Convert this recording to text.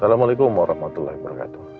assalamualaikum warahmatullahi wabarakatuh